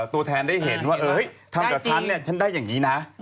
ทำจากฉันฉันได้อย่างนี้นะ